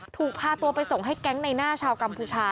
ถูกพาตัวไปส่งให้แก๊งในหน้าชาวกัมพูชา